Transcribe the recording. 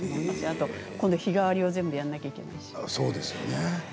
あと、今度、日替わりを全部やんなきゃいけないし。